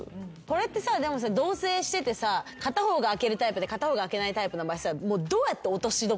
これってさでもさ同棲しててさ片方が開けるタイプで片方が開けないタイプの場合さどうやって落としどころつけんの？